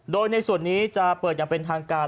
โดยในส่วนนี้จะเปิดอย่างเป็นทางการ